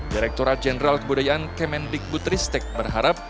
direkturat jenderal kebudayaan kemendik butristek berharap